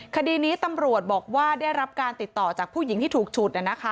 คดีนี้ตำรวจบอกว่าได้รับการติดต่อจากผู้หญิงที่ถูกฉุด